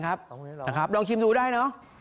เหมือนกันครับลองชิมดูได้เนาะ